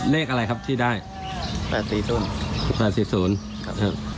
เลขอะไรครับที่ได้แปดสี่ศูนย์แปดสี่ศูนย์ครับ